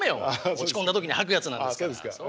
落ち込んだ時に吐くやつなんですから。